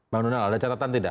bang donal ada catatan tidak